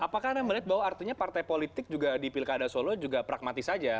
apakah anda melihat bahwa artinya partai politik juga di pilkada solo juga pragmatis saja